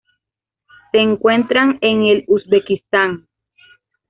Se encuentra en el Uzbekistán.